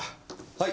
はい。